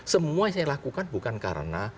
semua yang saya lakukan bukan karena